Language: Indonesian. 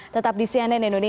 tetap di cnn indonesia